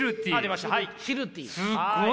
すごい。